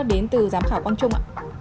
đến từ giám khảo quang trung